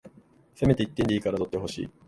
せめて一点でいいから取ってほしい